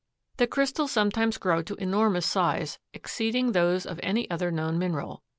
The crystals sometimes grow to enormous size, exceeding those of any other known mineral.